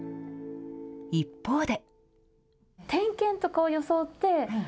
一方で。